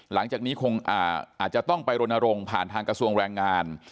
หลังจากนี้คงอาจจะต้องไปรณรงค์ผ่านทางกระทรวงแรงงาน